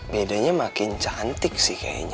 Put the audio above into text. bedanya makin cantik sih kayaknya